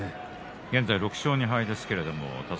現在６勝２敗です。